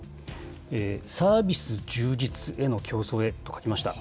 サービス充実への競争へと書きました。